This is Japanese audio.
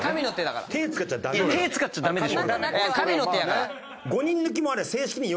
手使っちゃダメなのよ。